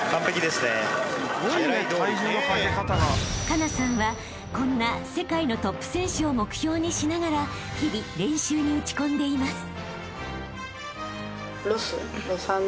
［佳那さんはこんな世界のトップ選手を目標にしながら日々練習に打ち込んでいます］